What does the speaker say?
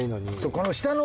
この下の。